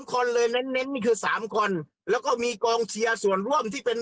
คนเลยเน้นเน้นนี่คือ๓คนแล้วก็มีกองเชียร์ส่วนร่วมที่เป็น